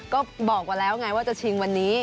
ก็บอกไว้แล้วไงว่าจะชิงวันนี้